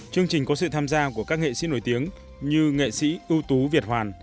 chương trình có sự tham gia của các nghệ sĩ nổi tiếng như nghệ sĩ ưu tú việt hoàn